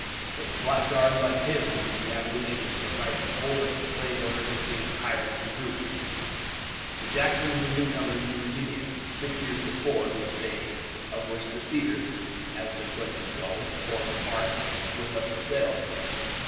It's blackguards like him who give the Abolitionists a right to hold up the slave owners as being tyrants and brutes." The Jacksons were newcomers in Virginia. Six years before, the estate, of which the Cedars, as their place was called, formed a part, was put up for sale.